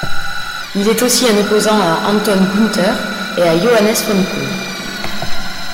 Il est aussi un opposant à Anton Günther et à Johannes von Kuhn.